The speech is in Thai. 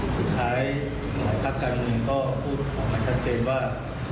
สุดท้ายหลายภาคการเมืองก็พูดออกมาชัดเจนว่า